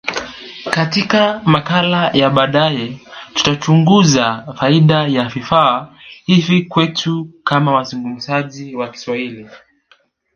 Katika makala ya baadaye, tutachunguza faida ya vifaa hivi kwetu kama wazungumzaji wa Kiswahili.